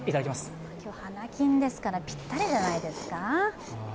今日、花金ですからぴったりじゃないですか。